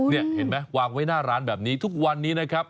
นี่เห็นไหมวางไว้หน้าร้านแบบนี้ทุกวันนี้นะครับ